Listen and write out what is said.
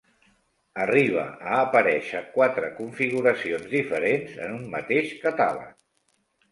Arriba a aparèixer quatre configuracions diferents en un mateix catàleg.